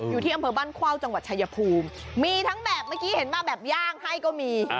อยู่ที่อำเภอบ้านเข้าจังหวัดชายภูมิมีทั้งแบบเมื่อกี้เห็นมาแบบย่างให้ก็มี